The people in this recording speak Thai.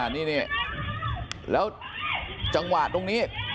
นี่แล้วจังหวะตรงนี้